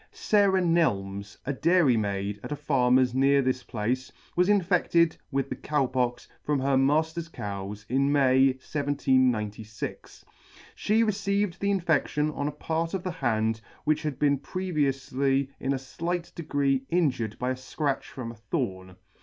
SARAH NELMES, a dairymaid at a Farmer's near this place, was infedted with the Cow Pox from her mailer's cows in May, 1796. She received the infedlion on a part of the hand which had been previoufly in a flight degree injured by a fcratch from a thorn.